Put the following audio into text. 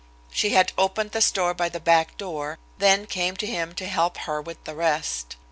She had opened the store by the back door, then came to him to help her with the rest.